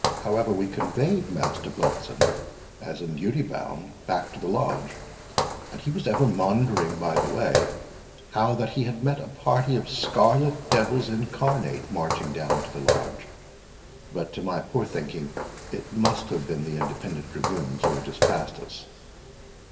However, we conveyed Master Bletson, as in duty bound, back to the Lodge, and he was ever maundering by the way how that he met a party of scarlet devils incarnate marching down to the Lodge; but, to my poor thinking, it must have been the Independent dragoons who had just passed us."